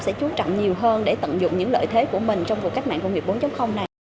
sẽ chú trọng nhiều hơn để tận dụng những lợi thế của mình trong cuộc cách mạng công nghiệp bốn này